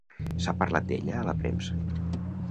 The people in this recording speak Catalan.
S'ha parlat d'ella a la premsa?